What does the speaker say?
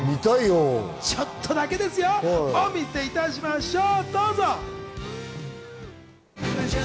ちょっとだけね、お見せいたしましょう。